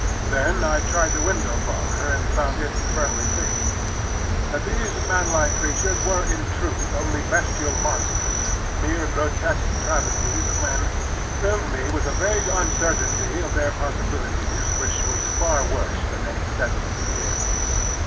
Then I tried the window bar, and found it firmly fixed. That these man like creatures were in truth only bestial monsters, mere grotesque travesties of men, filled me with a vague uncertainty of their possibilities which was far worse than any definite fear.